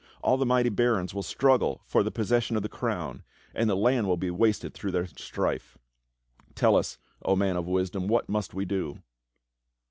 All the mighty barons will struggle for the possession of the crown, and the land will be wasted through their strife. Tell us, O Man of Wisdom, what must we do.?"